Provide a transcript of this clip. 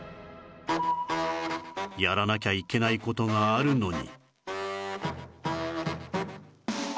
やらなきゃいけない事があるのに